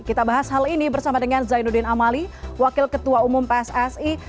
kita bahas hal ini bersama dengan zainuddin amali wakil ketua umum pssi